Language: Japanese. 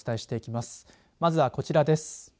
まずはこちらです。